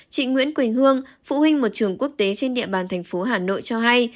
chị nguyễn quỳnh hương phụ huynh một trường quốc tế trên địa bàn thành phố hà nội cho hay